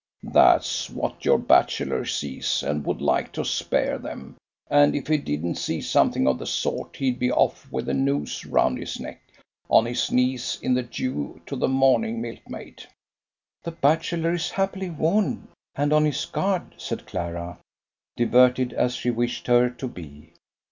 That's what your bachelor sees and would like to spare them; and if he didn't see something of the sort he'd be off with a noose round his neck, on his knees in the dew to the morning milkmaid." "The bachelor is happily warned and on his guard," said Clara, diverted, as he wished her to be.